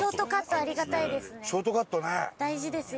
ショートカットね！